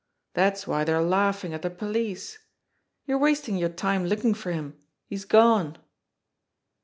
That's why they're laughing at the police. You're wasting your time looking for him. He's gone."